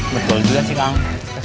betul juga sih kang